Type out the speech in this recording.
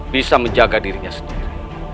bisa menjaga dirinya sendiri